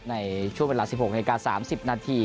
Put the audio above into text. ในช่วงเวลา๑๖นาที๓๐นาที